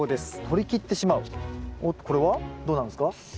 おっこれはどうなんですか？